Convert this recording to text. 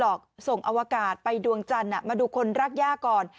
ถ้ามีคนที่อยากส่งอวกาศไปดวงจันทร์มาดูคนรักยาก่อน